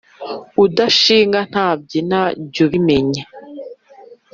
Udashinga ntabyina jy’ubimenya